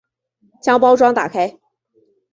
将包装打开